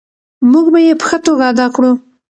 موږ به یې په ښه توګه ادا کړو.